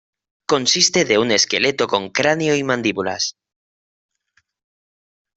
Consiste de un esqueleto con cráneo y mandíbulas.